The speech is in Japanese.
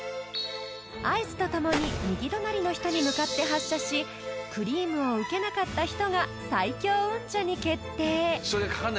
［合図とともに右隣の人に向かって発射しクリームを受けなかった人が最強運者に決定］